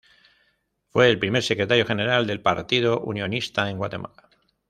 Fue el primer secretario general del Partido Unionista en Guatemala.